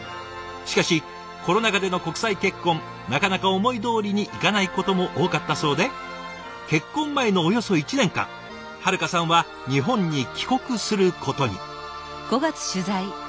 しかしコロナ禍での国際結婚なかなか思いどおりにいかないことも多かったそうで結婚前のおよそ１年間遥花さんは日本に帰国することに。